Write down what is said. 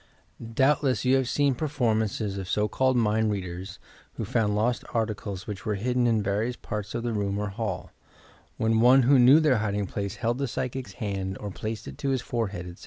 Doubtless you have seen performances of so called mind readers who found loat articles which were hidden in various parts of the room or hall, when one who knew their hiding place held the psychic's hand or placed it to his forehead, etc.